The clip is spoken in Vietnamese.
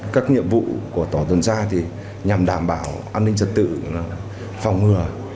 các nhiệm vụ của tổ tuần tra nhằm đảm bảo an ninh trật tự phòng ngừa